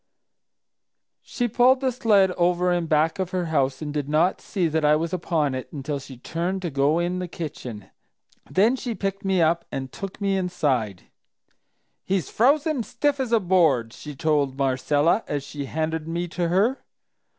"She pulled the sled over in back of her house and did not see that I was upon it until she turned to go in the kitchen; then she picked me up and took me inside. 'He's frozen as stiff as a board!' she told Marcella as she handed me to her.